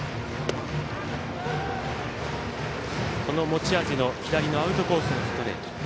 持ち味の左のアウトコースのストレート。